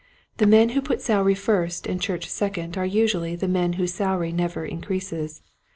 The men who put salary first and church second are usually the men whose salary never increases.